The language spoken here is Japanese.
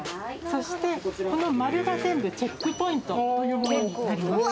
そしてこの丸が全部チェックポイントというものになります